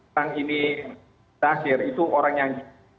terakhir itu orang yang